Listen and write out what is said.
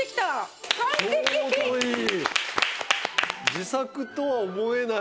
自作とは思えない。